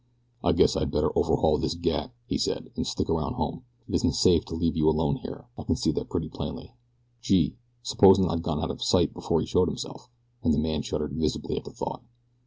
"I guess I'd better overhaul this gat," he said, "and stick around home. It isn't safe to leave you alone here I can see that pretty plainly. Gee, supposin' I'd got out of sight before he showed himself!" And the man shuddered visibly at the thought.